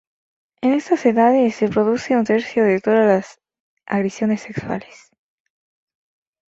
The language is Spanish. En estas edades se produce un tercio de todas las agresiones sexuales.